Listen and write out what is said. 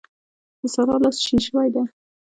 د سارا لاس شين شوی دی.